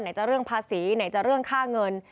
จะเรื่องภาษีไหนจะเรื่องค่าเงิน